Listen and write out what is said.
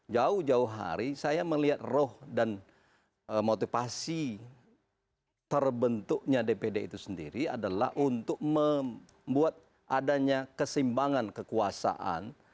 jauh jauh hari saya melihat roh dan motivasi terbentuknya dpd itu sendiri adalah untuk membuat adanya kesimbangan kekuasaan